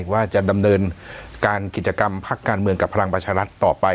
ว่าจะดำเนินการกิจกรรมพักการเมืองกับพลังประชารัฐต่อไป